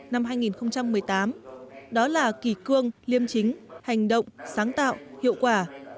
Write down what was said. năm hai nghìn một mươi tám đó là kỳ cương liêm chính hành động sáng tạo hiệu quả